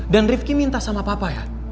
dan riffky minta sama papa ya